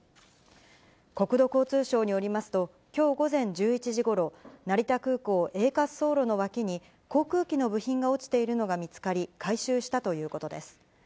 国土交通省によりますと、きょう午前１１時ごろ、成田空港Ａ滑走路の脇に、航空機の部品が落ちているのが見つかり、回収したということです。